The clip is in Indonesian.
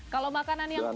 kalau makanan yang unik